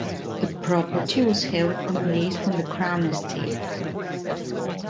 The property was held on a lease from the Crown Estate.